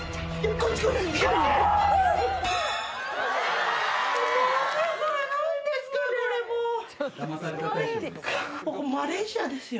ここ、マレーシアですよ。